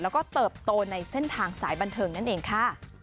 แล้วก็เติบโตในเส้นทางสายบันเทิงนั่นเองค่ะ